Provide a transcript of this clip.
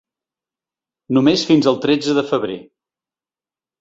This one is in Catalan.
Només fins el tretze de febrer.